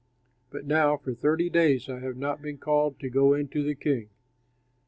But now for thirty days I have not been called to go in to the king."